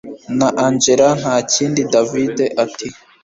na angella ntakindi david ati